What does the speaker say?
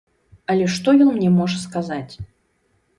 Але што ён мне можа сказаць?